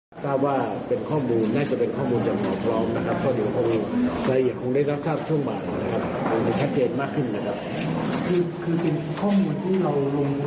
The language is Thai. คือพยาบาลนี้อยู่ตรงนั้น